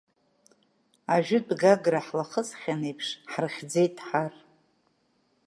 Ажәытә Гагра ҳлахысхьан еиԥш, ҳрыхьӡеит ҳар.